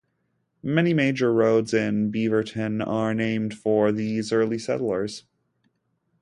Many major roads in Beaverton are named for these early settlers.